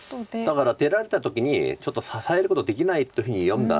だから出られた時にちょっと支えることできないというふうに読んだわけですけども。